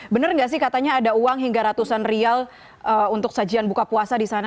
benar nggak sih katanya ada uang hingga ratusan rial untuk sajian buka puasa di sana